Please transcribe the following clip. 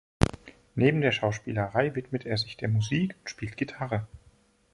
Neben der Schauspielerei widmet er sich der Musik und spielt Gitarre.